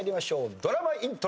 ドラマイントロ。